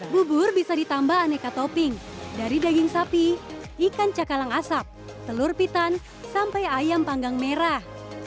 bubur bisa ditambah aneka topping dari daging sapi ikan cakalang asap telur pitan sampai ayam panggang merah